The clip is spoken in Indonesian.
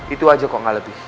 itu aja kok gak letihnya